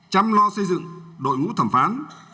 chăm lo xây dựng đội ngũ thẩm phán